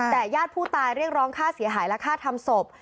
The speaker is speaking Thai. แต่ญาติผู้ตายเรียกร้องค่าเสียหายและค่าทำศพ